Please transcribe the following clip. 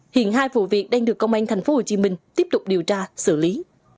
hiện hai vụ việc đang được công an tp hcm tiếp tục điều tra xử lý